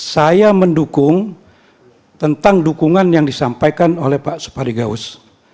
saya mendukung tentang dukungan yang disampaikan oleh pak supari gaus